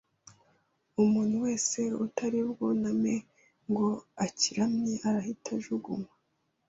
Umuntu wese utari bwuname ngo akiramye arahita ajugunywa